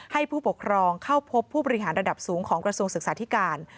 ให้ผู้ปกครองเข้าพบผู้บริหารระดับสูงของกระทรวงศึกษาธิการ